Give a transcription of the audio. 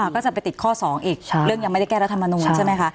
ก็จะไปติดข้อ๒อีกเรื่องยังไม่ได้แก้รัฐมนูลใช่ไหมคะ